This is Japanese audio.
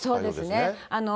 そうですね。